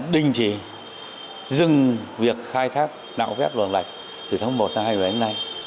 đình chỉ dừng việc khai thác đạo vét luật lệch từ tháng một hai ngày hôm nay